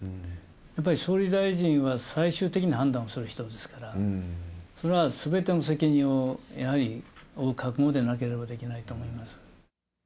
やっぱり総理大臣は最終的に判断をする人ですから、それはすべての責任をやはり負う覚悟でなければできないと思います。